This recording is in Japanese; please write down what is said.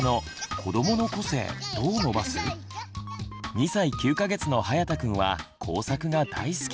２歳９か月のはやたくんは工作が大好き。